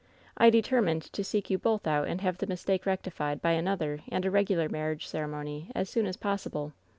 I determined to seek you both out and have the mistake rectified by another and a regular marriage ceremony as soon as possible.